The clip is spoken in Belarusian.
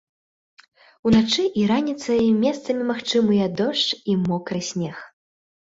Уначы і раніцай месцамі магчымыя дождж і мокры снег.